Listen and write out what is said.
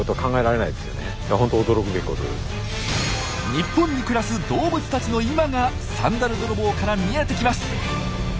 日本に暮らす動物たちの今が「サンダル泥棒」から見えてきます！